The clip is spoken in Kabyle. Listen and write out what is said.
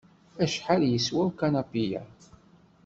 Acḥal yeswa ukanapi-ya?